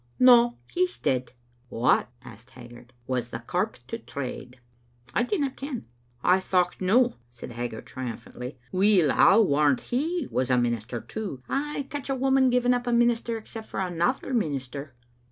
"No; he's dead." "What," asked Haggart, "was the corp to trade?*' "Idinnaken." " I thocht no," said Haggart, triumphantly. "Weel, I warrant he was a minister too. Ay, catch a woman giving up a minister, except for another minister."